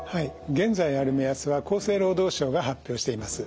現在ある目安は厚生労働省が発表しています。